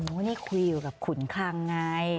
นี่คุยอยู่กับขุนคลังไง